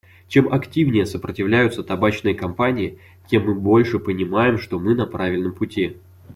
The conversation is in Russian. Чем активнее сопротивляются табачные компании, тем мы больше понимаем, что мы на правильном пути.